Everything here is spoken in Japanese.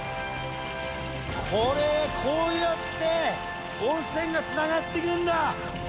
これこうやって温泉が繋がってくんだ！